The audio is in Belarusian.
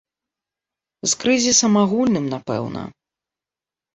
З крызісам агульным, напэўна.